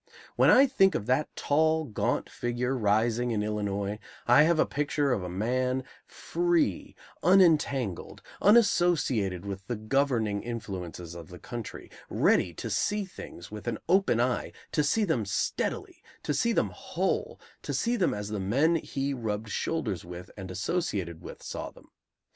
When I think of that tall, gaunt figure rising in Illinois, I have a picture of a man free, unentangled, unassociated with the governing influences of the country, ready to see things with an open eye, to see them steadily, to see them whole, to see them as the men he rubbed shoulders with and associated with saw them.